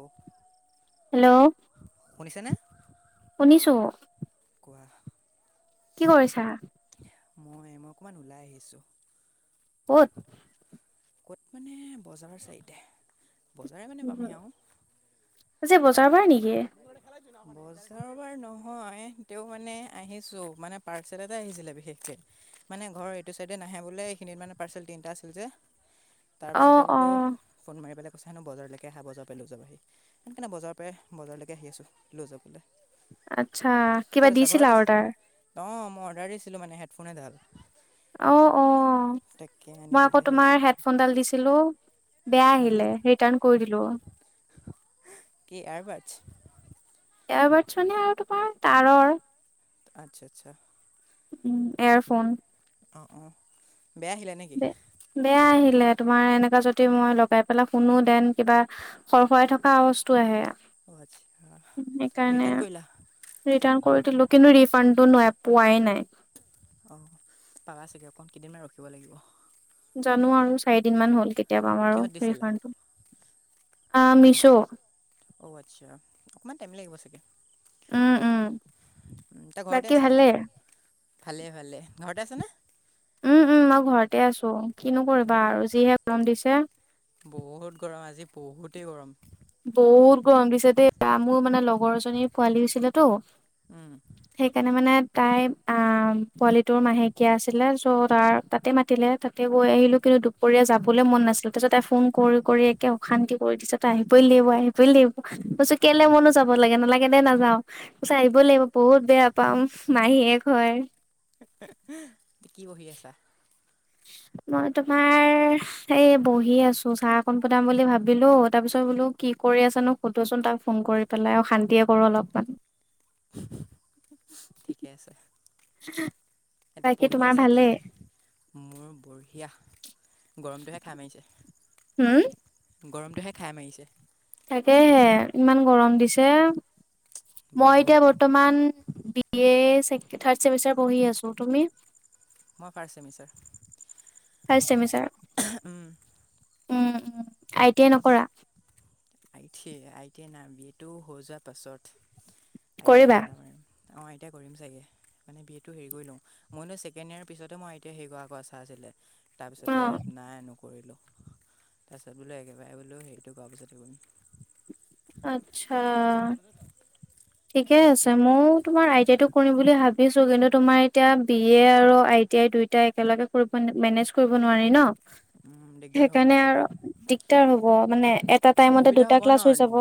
[inaudible] Hello শুনিছেনে? শুনিছো। [inaudible] কি কৰিছা। মই অকমান ওলাই আহিছো। ক'ত। ক'ত মানে বজাৰ চাইডে বজাৰে মানে পামহি আৰু আজি বজাৰ পৰা নেকি? বজাৰ বাৰ নহয় তেওঁ মানে আহিছো মানে পাৰ্চেল এটা আহিছিলে বিশেষকে মানে ঘৰ এইটো চাইডে নাহে বোলে এইখিনিত মানে পাৰ্চেল তিনিটা আছিল যে অ তাৰপিছতে অ বোলো ফোন মাৰি পেলে কছেনো বজাৰলৈকে আহা বজাৰৰ পৰাই লৈ যাবাহি। সেই কাৰণে বজাৰৰ পৰাই বজাৰলৈকে আহি আছো লৈ যাবলৈ। আচ্ছা কিবা দিছিলা অৰ্ডাৰ? অ' মই অৰ্ডাৰ দিছিলো মানে হেডফোন এডাল। অ', -অ' তাকে মই আনিবলৈ আকৌ আহি তোমাৰ আছোঁ হেডফোনডাল দিছিলো। বেয়া ন আহিলে ৰিটাৰ্ণ কৰি দিলো। কি এয়াৰবাডছ তেওঁ বাৰছনে আৰু তোমাৰ তাৰৰ আচ্ছা-আচ্ছা। উম, এয়াৰফোন। অ অঁ। বেয়া আহিলে নেকি বেয়া আহিলে তোমাৰ এনেকা কিবা যদি মই লগাই পেলাই শুনো দেন কিবা সৰ খৰাই থকা আৱাজটো আহে। অ' আচ্ছা সেইকাৰণে ৰিটাৰ্ণ কৰিলা ৰিটাৰণ কৰি দিলো কিন্তু ৰিফান্ডটো নোৱাৰে। পোৱাই নাই। অ পাবা চাগে অকণ কেইদিনমান ৰখিব লাগিব। জানো আৰু চাৰিদিন মান হ'ল কেতিয়া পাম আৰু কিহত দিছিলা ৰিফান্ডটো। আ মিছো। অ আচ্ছা অকমান টাইম লাগিব চাগে। উম উম তাৰ ঘৰতে বাকী আছা ভালে ভালে ভালে ঘৰতে আছেনে উম উম মই ঘৰতে আছো কিনো উম, কৰিবা আৰু যিহে লম দিছে বহুত গৰম আজি বহুতেই গৰম বহুত কমি সতেয়া আম মানে ল লগৰজনীৰ পোৱালী হৈছিল তো উম, সেইকাৰণে মানে তাই অ পোৱালি তৰ মাহেকীয়া আছিলে চ' তাৰ তাতে মাতিলে তাতে গৈ আহিলো কিু দুপৰীয়া যাবলৈ মন নাছিলে তাতে তাই ফোন কৰি কৰি একে অশান্তি কৰি দিছে তাই আহিব আহ লাগিব আহিবই লাগিব ত কেলে মনো যাব লাগে নালাগে নোও প আহিবই লাগিব বহুত বেয়া পাওঁ মাহীয়ে ঘৰ কি বহি আছা মই তোমাৰ এই বহি আছো চাহ অকণ পুনাম বুলি ভাবিলো তাৰ পিছত বোলো কি কৰি আছ নো সুধোচোন তাক ফোন কৰি পেলাই আৰু শান্তিয়ে কৰো অলপমান ঠিকে আছে এয়াতে বাকী পঢ়ি তোমাৰ আছে কি ভালেই মোৰ বঢ়িয়া গৰমটোহে খাই হুম মাৰিছে গৰমটোহে খাই মাৰিছে থাকেহে ইমান গৰম দিছে মই বহুত এতিয়া বৰ্তমান বি এ থাৰ্ড েমিষ্টাৰ পঢ়ি আছো তুমি মই first েমিষ্টাৰ fi ছেমিচাৰ um um um I T I নকৰা আই টি আই টি নাই বি এটো হৈ যোৱাৰ পাছত আই টি কৰিবা ধান্দা মাৰিম অঁ এতিয়া কৰিম চাগে মানে বি এটো হেৰি কৰি লওঁ মইনো ছেকেণ্ড ইয়াৰ পিছতে মই এতিয়া হেৰি কৰা ক আচা আছিলে অ তাৰপিছতে নাই নকৰিলোঁ তাৰপিছত বোলো একেবাৰে বোলো হেৰিটো কৰোৱাৰ পিছতে কৰিম আচ্ছা ঠিকে আছে ময়ো তোমাৰ আই টি আই টো কৰিম বুলি ভাবিছো কিন্তু তোমাৰ এতিয়া বি এ আৰু আই তেতিয়াই দুইটা একেলগে কৰিব মেনেজ কৰিব নোৱাৰি ন দিগদাৰ হ'ব সেইকাৰণে পিছলৈ আৰু দিগদাৰ হ'ব মানে এটা টাইমতে দুটা ক্লাছ হৈ যাব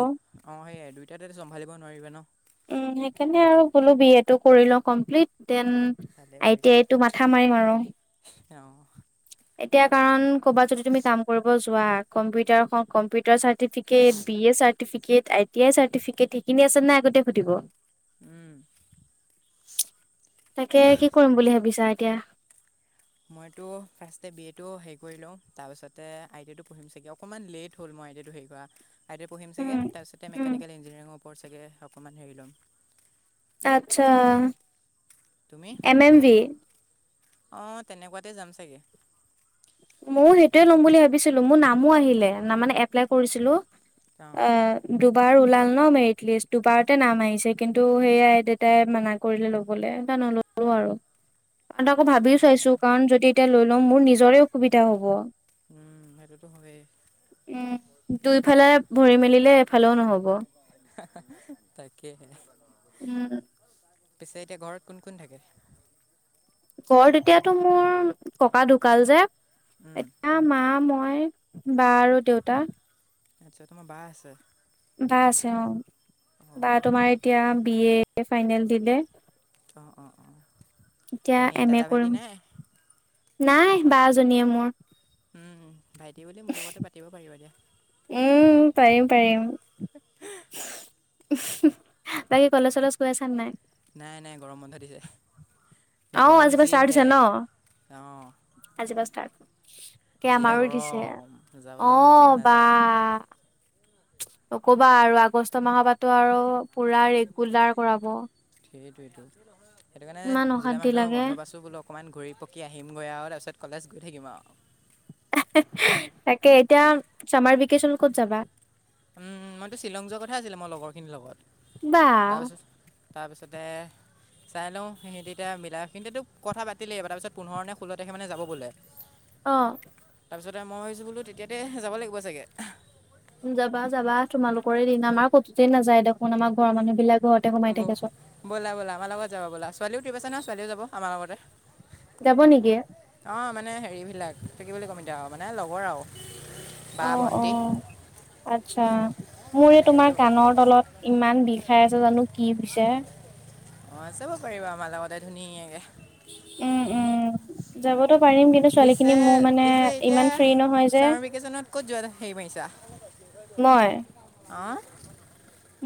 অ সেইয়াই দুইটাতেো চম্ভালিব নোৱাৰিবা ন উ সেইকাৰণে আৰু বোলো বি এটো কৰিলো কমপ্লিট তেন ভালে আই টি কৰিছা আইতটো মাথা মাৰিম আৰু অঁ এতিয়া কাৰণ ক'বাত যদি তুমি কাম কৰিব যোৱা কম্পিউটাৰ কম্পিউটাৰ সধ তাকে কি কৰিম বুলি ভাবিছা কতিয়াা [unintelligible] ইতিটো হে কৰা আইড' পঢ়িম চাগৈ তাৰপিছতে মেকানিকেল উম, উম, ইঞ্জিনিয়াৰিঙৰ ওপৰত চাগৈ অকণমান হেৰি ল'ম আচ্ছা এ এম ভি অ তেনেকুৱাতে যাম চাগে ময়ো সেইটোয়ে ল'ম বুলি ভাবিছিলো মোৰ নামো আহিলে ন মানে অঁ [unintelligible] দুবাৰ ওলাল ন মেৰিট লিষ্ট দুবাৰতে নাম আহিছে কিন্তু সেইয়াই দেউতাই মানা কৰিলে ল'বলৈ নললো আৰু কাৰ আকৌ আচ্ছা ভাবিও চাইছো কাৰণ যদি এতিয়া লৈ লওঁ মোৰ নিজৰে অসুবিধা হ'ব উম সেইটোটোো হয় উম দুইফালে ভৰি মেলিলে এফালেও নহব তাকাকেই হে উম। পিছে এতিয়া ঘৰত কোন- কোন থাকে। ঘৰত এতিয়াটো মোৰ ককা ঢুকাল যে উম, এতিয়া মা, মই মই, বা আৰু দেউতা। আচ্ছা তোমাৰ বা আছে। বা আছে অ', বা অঁ তোমাৰ এতিয়া বি এ ফাইনেল দিলে। অ', অ'- অ'। এতিয়া এম এ কৰিম, নাই বা এজনীয়ে মোৰ। উম, ভাইটি বুলি মোৰ লগতে পাতিব পাৰিবা দিয়া। উম, পাৰিম-পাৰিম। বাকী কলেজ- চলেজ গৈ আছান নাই। নাই- নাই গৰম বন্ধ দিছে। অ', গৰম আজিপা ষ্টাৰ্ট যিহে হৈছে ন, অঁ আজি পা ষ্টাৰ্ট। কেম যিহে আৰু দিছে গৰম যাবলৈ মন চন অ' বা। নাযায় নক'বা আৰু আগষ্ট মাহৰ পৰাটো আৰু পুৰা ৰেগুলাৰ কৰাব। সেইটোটো সেইটো কাৰণে ইমান জুলাই অশান্তি মাহটো লাগে। বন্ধ পাইছো বোলো অকণমান ঘূৰি পকি আহিমগৈ আৰু তাৰপিছত কলেজ গৈ থাকিম আৰু। তাকে এতিয়া চামাৰ ভেকেচনত ক'ত যাবা। উম, মইতো শ্বিলং যোৱা কথা আছিলে মোৰ লগৰ খিনিৰ লগত। বা তাৰপিছত তাৰপিছতে [inaudible] চাই লওঁ সিহঁতে এতিয়া মিলাই কিন্তুতো কথা পাতিলেই তাৰপিছত পোন্ধৰ নে ষোল্ল তাৰিখে মানে যাব বোলে। অ'। তাৰপিছতে মই ভাবিছোঁ বোলো তেতিয়াতে যাব লাগিব চাগে। যাবা-যাবা তোমালোকৰে দিন আমাৰ ক'তোতেই নাযায় দেখোন আমাৰ ঘৰৰ মানুহ বিলাক ঘৰতে সোমাই হ'ব থাকে চব। ব'লা- ব'লা আমাৰ লগত যাবা ব'লা ছোৱালীও ট্ৰিপ আছে নহয় ছোৱালীও যাব আমাৰ লগতে। যাব নেকি? অ', মানে হেৰিবিলাক এতিয়া কি বুলি ক'ম এতিয়া মানে লগৰ আৰু। বা ভণ্টি অ'-অ' আচ্ছা। মোৰ এই তেনেকৈ তোমাৰ যাব কানৰ তলত ইমান বিষাই আছে জানো কি হৈছে। অ', চাব পাৰিবা আমাৰ লগতে ধুনীয়াকে। উম- উম। যাবতো পাৰিম কিন্তু ছোৱালী খিনি পিছে মোৰ মানে পিছে এতিয়া ইমান ফ্ৰী নহয় যে। ছামাৰ ভেকেশ্যনত ক'ত যোৱা হেৰি মাৰিছা মই। অঁ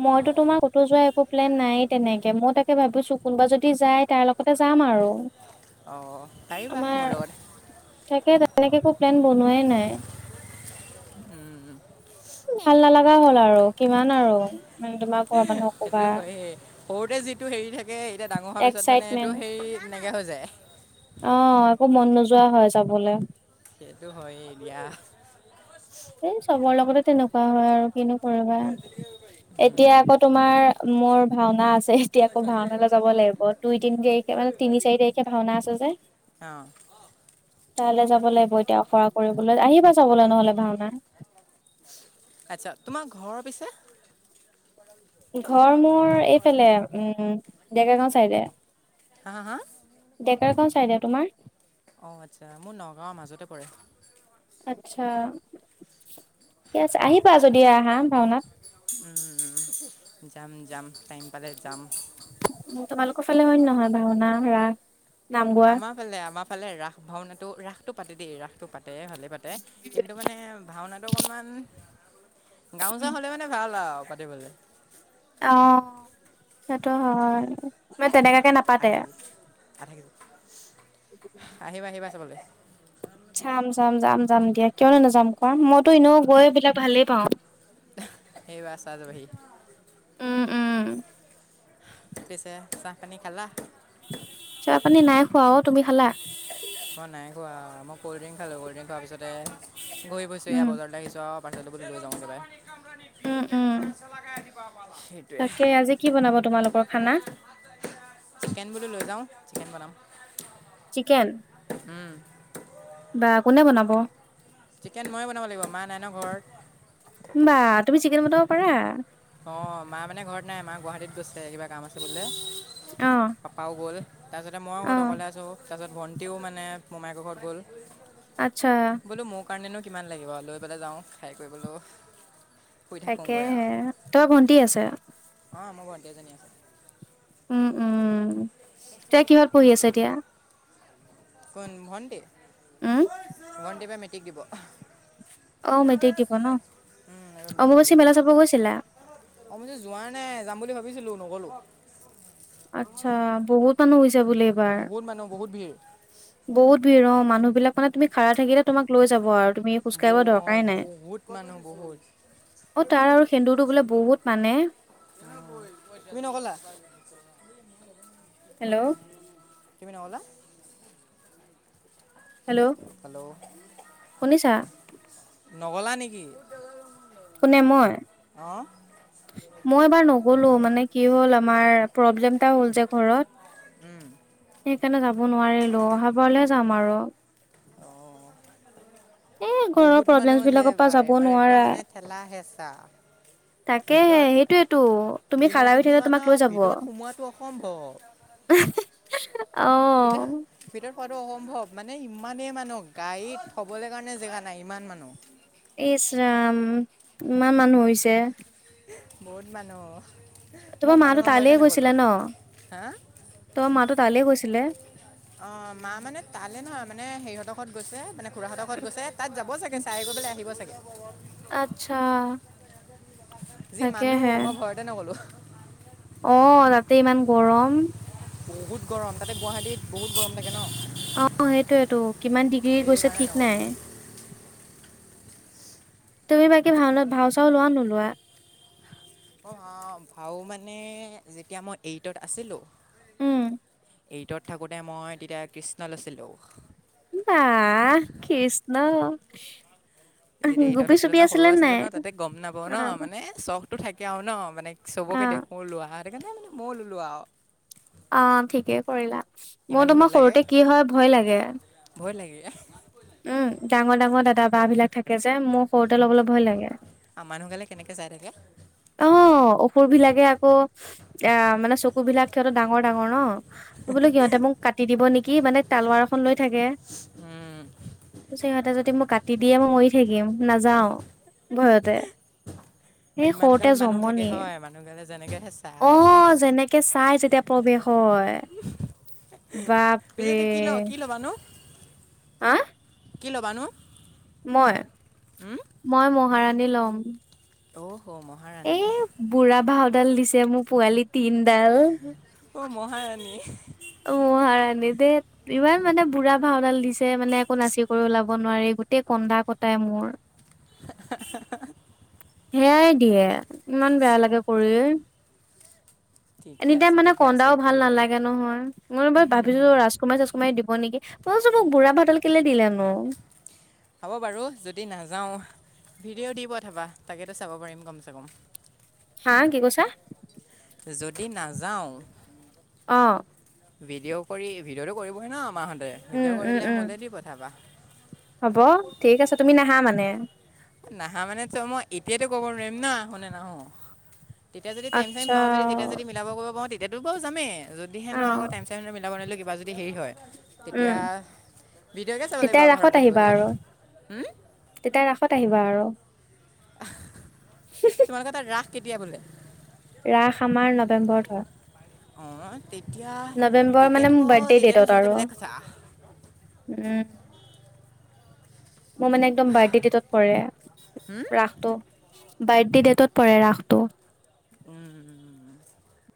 মইতো তোমাৰ ক'তো যোৱা একো প্লেন নাই তেনেকে মই তাকে ভাবিছো কোনোবা যদি যাই তাৰ লগতে যাম আৰু। অ'। আমাৰ তাকে তেনেকে একো প্লেন বনোৱাই নাই। উম-উম। [inaudible] ভাল নলগা হ'ল আৰু কিমান আৰু মানে তোমাৰ ঘৰৰ মানুহক সেইটো ক'বা। হয়েই সৰুতে যিটো হেৰি থাকে এতিয়া ডাঙৰ হোৱাৰ পিছত মানে এইটো এক্সাইটমেন্ট হেৰি এনেকে হৈ যায়। অ', একো মন নোযোৱা হয় যাবলে। সেইটো হয় এ এতিয়া। হয়-হয় আৰু কিনো কৰিবা। এতিয়া উম, আকৌ তোমাৰ মোৰ ভাওনা আছে এতিয়া আকৌ ভাওনালে যাব লাগিব, দুই-তিন তাৰিখ এই মানে তিনি চাৰি তাৰিখে ভাওনা আছে যে। অ'। তালে যাব লাগিব এতিয়া আখৰা কৰিবলৈ আহিবা চাবলৈ নহ'লে ভাওনা। আচ্ছা, তোমাৰ ঘৰ পিছে। ঘৰ মোৰ এইফালে উম ডেকা গাও চাইডে। হা হা হা ডেকাৰ গাও চাই দে তোমাৰ অঁ আচ্ছা মোৰ নগাঁৱৰ মাজতে পৰে আচ্ছা ঠিকে আছে আহিবা যদি আহা ভাওনাত যাম যাম টাইম পালে যাম সেইফালে অইন নহয় ভাওনা ৰাস নাম গোৱা আমাৰ ফালে আমাৰ ফালে ৰাস ভাওনাটো ৰাসটো পাতে দেই ৰাসটো পাতে পাতে ভালে পাতে কিন্তু মানে ভাওনাটো অকণমান গামোচা হ'লে মানে ভাল আৰু পাতিবলৈ অ সিটো হয় মানে তেনেকাকে নাপাতে আধা কেজি আধা কেজি আহিবা আহিবা চাবলৈ চাম চাম যাম যাম দিয়া কিয়নো নাযাম কোৱা মইতো এনেও গৈবিলে ভালেই পাওঁ এইবাৰ চাই যাবাহি উম উম পিছে চাহ পানী খালা চাহ পানী নাই খোৱা অ তুমি খালা মই নাই খোৱা মই কল্ড্ৰিংক খালো কল্ড্ৰিংক খোৱাৰ পিছতে ঘূৰি ফুৰিছোঁ এয়া উম বজাৰলে আহিছ [unintelligible] উম উম সেইটোৱে তাকে আজি কি বনাব তোমালোকৰ খানা চিকেন বোলো লৈ যাওঁ চিকেন বনাম চিকেন উম বা কোনে বনাব চিকেন ময়ে বনাব লাগিব মা নাই ন ঘৰত বা তুমি চিকেন বনাব পাৰা অ মা মানে ঘৰত নাই মা গুৱাহাটীত গৈছে কিবা কাম আছে বোলে অহ পাপাও গ'ল তাৰপিছতে মই ঘৰত অহ অকলে আছোঁ তাৰপাছত ভণ্টিও মানে মোমাই ঘৰত গ'ল আচ্ছা বোলো মোৰ কাৰণেনো কিমান লাগিব লৈ পেলাই যাওঁ খাই কৰিবলো তাকেহে তোমাৰ ভণ্টি আছে অ মোৰ ভণ্টীজনী আছে উম উম এতিয়া কিহত পঢ়ি আছা এতিয়া কোন ভণ্টি উম ভণ্টি এবা মেট্ৰিক দিব অ মেট্ৰিক দিব ন, এইবাৰ মিটিং দিব অম্বুবাচী তাই মেলা চাব গৈছিলা নে যাম বুলি ভাবিছিলোঁ নগলো আচ্ছা বহুত মানুহ হৈ বহুত মানুহ বহুত ভিৰ বহুত ভিৰ অ মানুহ বিলাক মানে তুমি খাৰা থাকিলে তোমাক লৈ যাব আৰু তুমি ব খোজকাঢ়িব অ দৰকাৰেই নাই বহুত মানুহ বহুত অ তাৰ আৰু সেন্দুৰটো বোলে বহুত মানে উম তুমি নগলা হেল্ল' তুমি নগলা হেল্ল' হেল্ল' শুনিছা নগ'লা নেকি কোনে মই অঁ মই এবাৰ নগলো মানে কি হ'ল আমাৰ প্ৰব্লেমটা হ'ল যে ঘৰত উম সেইকাৰণে যাব নোৱাৰিলো অহাবাৰলে যাম আৰু অঁ এ ঘৰৰ বহুত প্ৰব্লেমচ মানুহ আছে বিলাকৰ পৰা এইবাৰ যাব এইবাৰ নোৱাৰা। একদম মানে ঠেলা হেঁচা তাকেহে ভিতৰত সেইটোয়েটো তুমি দিনত খাৰা হই যদি থাকিলে যোৱা ন তোমাক লৈ যাব বিত অ' ভিতৰত খোৱা টো সম্ভৱ মানে ইমানেই মানুহ গাড়ীত থ'বলৈ কাৰণে জেগা নাই ইমান মানুহ। ইছৰাম ইমান মানুহ হৈছে। বহুত মানুহ। মই তোমাৰ মাটো মানুহৰ ভয়তে তালে নগ'লোঁ গৈছিলে ন? হা তোমাৰ মাটো তালে গৈছিলে। অ মা মানে তালে নহয় মানে সেইহঁতৰ ঘৰত গৈছে মানে খুৰাহঁতৰ ঘৰত গৈছে তাত যাব চাগে চাই গৈ পেলাই আহিব চাগে। আচ্ছা। যি মানুহ মই ভয়তে নগ'লো। অ'তাতে ইমান গৰম। বহুত গৰম তাতে গুৱাহাটীত বহুত গৰম লাগে। অ সেইটোয়েটো কিমান ডিগ্ৰী গৈছে সেইকাৰণে ঠিক নগ'লোঁ নাই। তুমি বাকী ভাওনাত ভাও চাও লোৱা নে নোলোৱা। অ' ভাও মানে যেতিয়া মই এইটত আছিলো। উম এইটত থাকোতে মই তেতিয়া কৃষ্ণ লৈছিলো। বা, কৃষ। আছিলো ন সৰু আছিলো ন তাতে গম নাপ ন অ', মানে চখটো থাকে আৰু ন মানে [inaudible] চবকে অ', দেখো লোৱা সেইকাৰণে মানে মইও ললো আৰু। অ' ঠিকে কৰিলা মোৰ ইমান ভয় তোমাৰ লাগে সৰুতে কি হয় ভয় লাগে। এ' উম ডাঙৰ ডাঙৰ দাদা বা বিলাক থাকে যে মোক মানুহ গালেকেনেকে চাই থাকে। অ' অসুৰ বিিলাকে আকৌ অ মানে চকু বিলাক সিহতো ডাঙৰ - ডাঙৰ ন। মই বোলো সিহঁতে মোক কাটি দিব নেকি মানে তালুৱাৰ এখন লৈ থাকে। সিহঁতে যদি মোক কাটি দিয়ে মই মৰি থাকিম নাযাও ভয়তে এ সৰো ইমানগাল মানুহ থাকে হয় মানুহ গালে যেনেকেহে চাই। প্ৰৱেশো হয়, পিছে বাপৰে এতিয়া কি ল কি ল'বানো হ' কি ল'ব নো? মই, মই মহাৰাণী লম। অ' হ' মহাৰাণী। ডাল দিছে মোৰ পোৱালিত অ' মহাৰাণী। অ' হাৰণী দেই ইমান মানে বুঢ়া ভাওনাল দিছে মানে একো নাচি কৰি ওলাব নোৱাৰি। গোটেই কন্দা- কটাই মোৰ। [unintelligible] সেয়াই দিয়ে ইমান বেয়া লাগে কৰি! ঠিকে এনি টাইম আছে মানে ঠিকে আছে কন্দাও ভাল কৰিবা নালাগে নহয়, মই বই ভাবিছো ৰাজকুমাৰী চাছকুমাৰী দিব নেকি, মই মোক বুঢ়া ভাতাল কেলে দিলে নো? হ'ব বাৰু যদি নাযাওঁ ভিডিঅ' দি পঠাবা তাকেতো চাব পাৰিম কমচে কম। আ কি কৈছা? যদি নাযাওঁ অঁ। ভিডিঅ' কৰি ভিডিঅ'টো কৰিবহি ন আমাহঁতে উম, ভিডিঅ' উম, কৰিলে উম। মোলে দি পঠাবা। হ'ব ঠিক আছে, তুমি নাহা মানে? নাহা মানে ত মই এতিয়াইটো কব নোৱাৰিম ন আহোঁ নে নাহো। তেতিয়া যদি টাইম চাইম আচ্ছা পাওঁ যদি তেতিয়া যদি মিলাব কৰিব পাওঁ তেতিয়ো বাৰু যামেই, যদিহে অ নোৱাৰোঁ আক টাইমা চাইম মিলাব নোৱাৰিলে কিবা যদি হেৰি হয় উম তেতিয়া ভডিঅকে চাব লাগিব তেতিয়া আৰু ঘৰত ৰাসত বহি আহিবা বহিে আৰু হম তেতিয়া ৰাসত আহিবা আৰু তোমালোকৰ তাত ৰাস কেতিয়া বোলে ৰাস আমাৰ নৱেম্বৰ ধৰ অঁ তেতিয়া মানে তেতিয়াতো মোৰ বাৰু বাৰ্থডে তেতিয়াতো ডেটত যহতে আৰু বেলেগ কৈছা আহ উম মোৰ মানে একদম বাৰ্থডে ডেটত পৰে ৰাসটো বাৰ্থডে ডেটত পৰে ৰাসটো উম', উমম